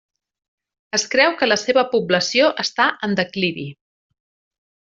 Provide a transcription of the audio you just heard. Es creu que la seva població està en declivi.